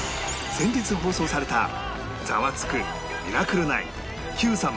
先日放送された『ザワつく！』『ミラクル９』『Ｑ さま！！』